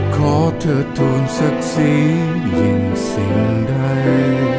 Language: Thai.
ขอเธอทูลศักดิ์ศรียิ่งสิ่งใด